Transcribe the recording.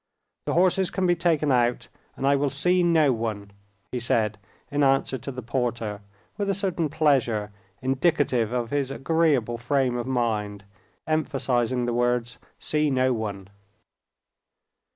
"The horses can be taken out and I will see no one," he said in answer to the porter, with a certain pleasure, indicative of his agreeable frame of mind, emphasizing the words, "see no one."